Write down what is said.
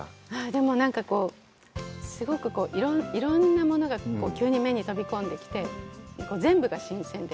でも、なんかすごくいろんなものが急に目に飛び込んできて、全部が新鮮で。